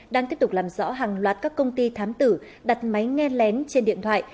đang tiếp tục làm rõ hàng loạt các công ty thám tử đặt máy nghe lén trên điện thoại